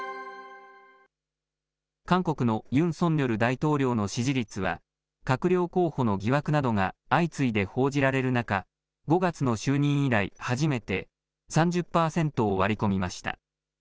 韓国のユン・ソンニョル大統領の支持率は、閣僚候補の疑惑などが相次いで報じられる中、５月の就任以来、初めて３０％を割り込みました。